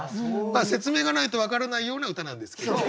まあ説明がないと分からないような歌なんですけどね。